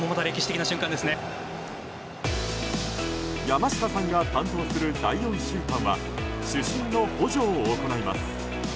山下さんが担当する第４審判は主審の補助を行います。